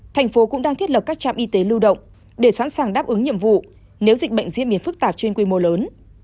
thành phố cũng đang thiết lập các trạm y tế lưu động để sẵn sàng đáp ứng nhiệm vụ nếu dịch bệnh diễn biến phức tạp trên quy mô lớn